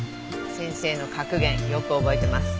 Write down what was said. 先生の格言よく覚えてます。